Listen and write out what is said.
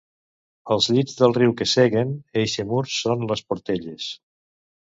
Els llits del riu que seguen eixe mur són les portelles.